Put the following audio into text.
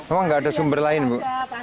emang nggak ada sumber lain bu